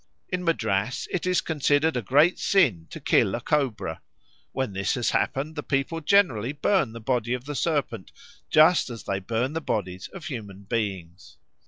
In Madras it is considered a great sin to kill a cobra. When this has happened, the people generally burn the body of the serpent, just as they burn the bodies of human beings.